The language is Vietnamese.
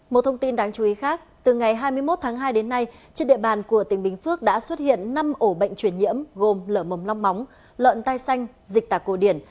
một thông tin đáng chú ý khác từ ngày hai mươi một tháng hai đến nay trên địa bàn của tỉnh bình phước đã xuất hiện năm ổ bệnh truyền nhiễm gồm lở mồm long móng lợn tai xanh dịch tả cổ điển